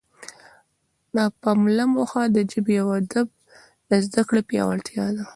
د پملا موخه د ژبې او ادب د زده کړې پیاوړتیا ده.